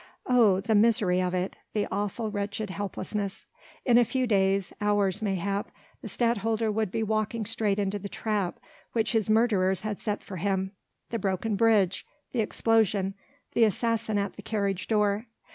Oh! the misery of it! the awful, wretched helplessness! in a few days hours mayhap the Stadtholder would be walking straight into the trap which his murderers had set for him ... the broken bridge! the explosion! the assassin at the carriage door!